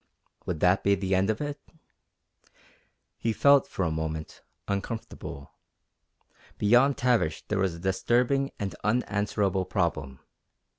Would that be the end of it? He felt, for a moment, uncomfortable. Beyond Tavish there was a disturbing and unanswerable problem.